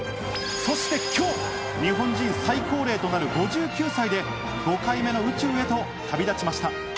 そして今日、日本人最高齢となる５９歳で５回目の宇宙へと旅立ちました。